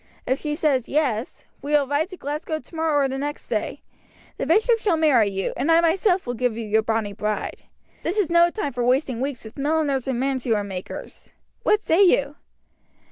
If she says, 'Yes,' we will ride to Glasgow tomorrow or next day. The bishop shall marry you, and I myself will give you your bonny bride. This is no time for wasting weeks with milliners and mantua makers. What say you?"